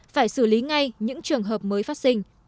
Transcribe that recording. phải xử lý ngay những trường hợp mới phát sinh